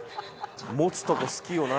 持つとこ好きよな。